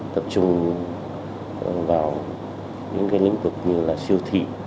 tập trung vào những lĩnh vực như siêu thị